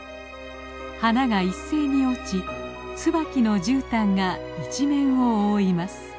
花が一斉に落ちツバキのじゅうたんが一面を覆います。